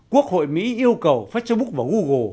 quốc hội mỹ yêu cầu facebook và google